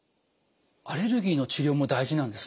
アレルギーの治療も大事なんですね。